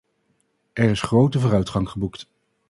Er is grote vooruitgang geboekt.